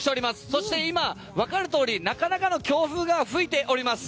そして今、わかるとおりなかなかの強風が吹いております。